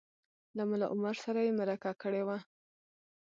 له ملا عمر سره یې مرکه کړې وه